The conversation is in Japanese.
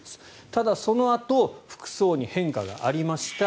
ただ、そのあと服装に変化がありました。